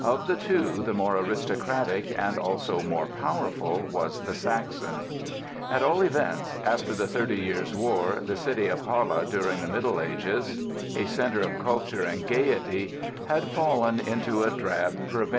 Of the two the more aristocratic, and also most powerful was the Saxon." At all events, after the Thirty Years' War the city of Halle, during the Middle Ages a center of culture and gaiety, had fallen into a drab provincialism.